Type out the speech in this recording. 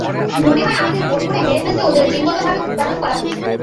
মনে হয়ে হয় আমাদের বোর করে মেরে ফেলতে ওদের জিনগতভাবে উদ্ভাবন করা হয়েছে।